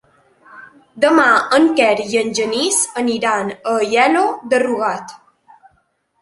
Demà en Quer i en Genís aniran a Aielo de Rugat.